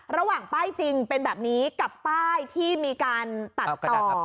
ระหว่างป้ายจริงเป็นแบบนี้กับป้ายที่มีการตัดต่อ